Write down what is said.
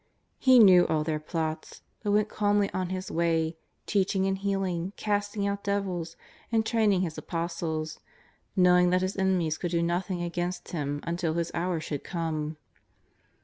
He knew all their plots, but went calmly on His way, teaching and healing, casting out devils, and training His Apostles, knowing that His enemies could do noth ing against Him until His hour should come.